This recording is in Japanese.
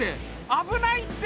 危ないって！